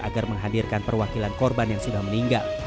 agar menghadirkan perwakilan korban yang sudah meninggal